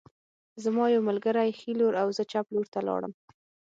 زما یو ملګری ښي لور او زه چپ لور ته لاړم